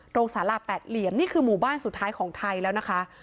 สาราแปดเหลี่ยมนี่คือหมู่บ้านสุดท้ายของไทยแล้วนะคะ